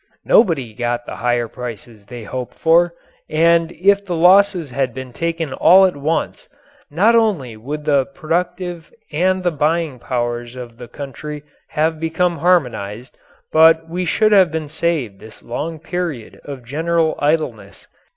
Nobody got the higher prices they hoped for, and if the losses had been taken all at once, not only would the productive and the buying powers of the country have become harmonized, but we should have been saved this long period of general idleness.